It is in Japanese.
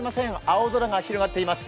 青空が広がっています。